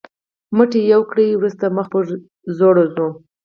مټې یوه ګړۍ وروسته مخ پر ځوړو شو.